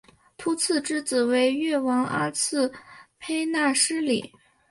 秃剌之子为越王阿剌忒纳失里。